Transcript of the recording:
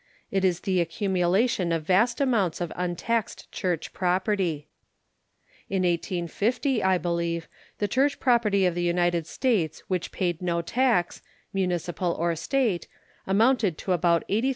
It is the accumulation of vast amounts of untaxed church property. In 1850, I believe, the church property of the United States which paid no tax, municipal or State, amounted to about $83,000,000.